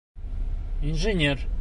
Инженер.